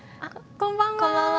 こんばんは。